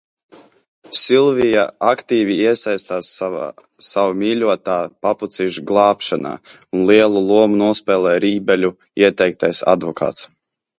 Silvija aktīvi iesaistās sava mīļotā papucīša glābšanā, un lielu lomu nospēlē Rībeļu ieteiktais advokāts.